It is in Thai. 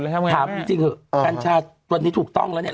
แล้วทำไงถามจริงจริงคือกัญชาตัวนี้ถูกต้องแล้วเนี้ย